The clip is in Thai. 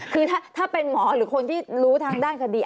คือถ้าเป็นหมอหรือคนที่รู้ทางด้านคดี